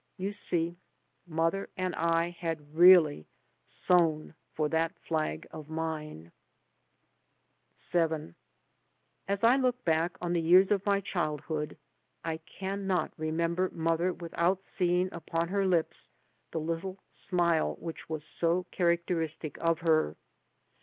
You see, mother and I had really sewn for that Sag of mine. 3 by Google VII As I look back on the years of my child hood I can not remember mother with out seeing upon her lips the little smile which was so characteristic of her.